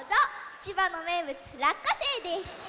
ちばのめいぶつらっかせいです！